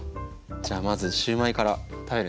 じゃあまずシューマイから食べるね。